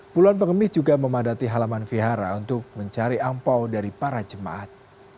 puluhan pengemis juga memadati halaman vihara untuk mencari ampau dari para jemaat